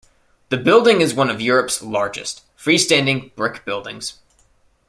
The building is one of Europe's largest, freestanding brick buildings.